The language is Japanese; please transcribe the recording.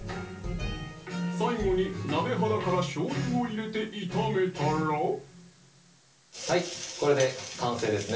最後に鍋肌からしょうゆを入れて炒めたらはいこれで完成ですね